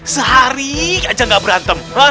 sehari aja gak berantem